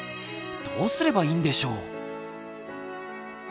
どうすればいいんでしょう？